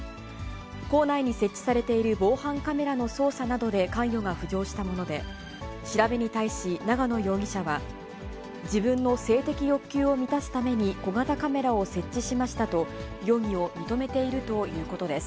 校内に設置されている防犯カメラの捜査などで関与が浮上したもので、調べに対し、永野容疑者は、自分の性的欲求を満たすために小型カメラを設置しましたと、容疑を認めているということです。